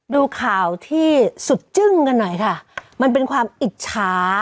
ดูข่าวที่สุดจึ้งกันหน่อยค่ะมันเป็นความอิจฉา